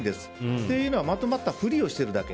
というのもまとまったふりをしているだけ。